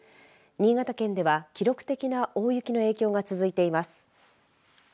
新潟県では記録的な大雪の影響が続いています。